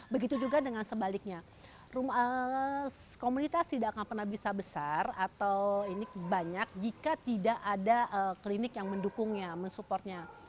begitu juga dengan sebaliknya komunitas tidak akan pernah bisa besar atau ini banyak jika tidak ada klinik yang mendukungnya mensupportnya